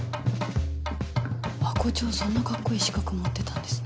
ハコ長そんなカッコいい資格持ってたんですね。